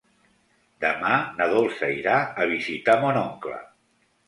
Demà na Dolça irà a visitar mon oncle.